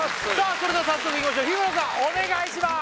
それでは早速いきましょう日村さんお願いします